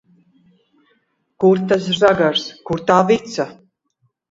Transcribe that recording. Kur tas žagars, kur tā vica?